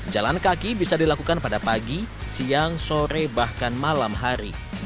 jalan kaki bisa dilakukan pada pagi siang sore bahkan malam hari